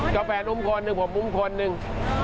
กาแฟนุ่มคนหนึ่งผมอุ้มคนหนึ่ง